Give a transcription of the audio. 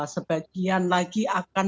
sebagian lagi akan